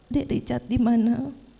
dik richard dimana